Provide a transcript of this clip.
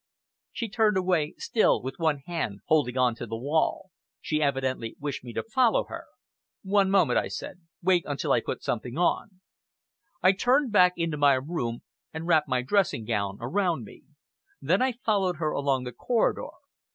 She turned away, still with one hand holding on to the wall. She evidently wished me to follow her. "One moment," I said. "Wait while I put something on." I turned back into my room and wrapped my dressing gown around me. Then I followed her along the corridor.